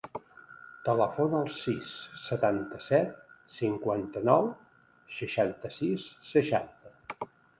Telefona al sis, setanta-set, cinquanta-nou, seixanta-sis, seixanta.